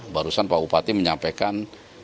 barusan pak upati menyampaikan dua puluh sembilan